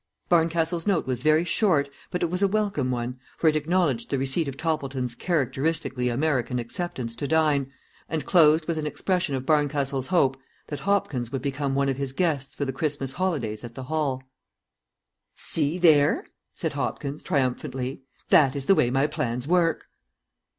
Barncastle's note was very short, but it was a welcome one, for it acknowledged the receipt of Toppleton's "characteristically American acceptance to dine," and closed with an expression of Barncastle's hope that Hopkins would become one of his guests for the Christmas holidays at the Hall. "See, there!" said Hopkins, triumphantly. "That is the way my plans work."